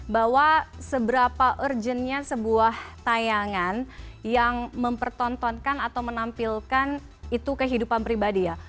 bahwa seberapa urgentnya sebuah tayangan yang mempertontonkan atau menampilkan itu kehidupan pribadi ya